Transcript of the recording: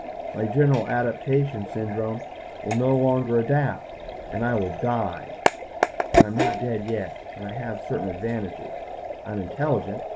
My general adaptation syndrome will no longer adapt. And I will die. But I am not dead yet. And I have certain advantages. I am intelligent.